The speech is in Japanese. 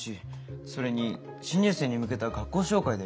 それに新入生に向けた学校紹介だよ？